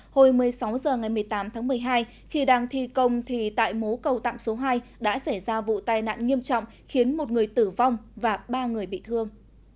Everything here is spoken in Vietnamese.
hồi một mươi sáu h ngày một mươi tám tháng một mươi hai khi đang thi công thì tại mố cầu tạm số hai đã xảy ra vụ tai nạn nghiêm trọng khiến một người tử vong và ba người bị thương